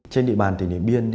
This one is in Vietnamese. trên địa bàn tỉnh điện biên